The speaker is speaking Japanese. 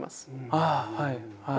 ああはいはい。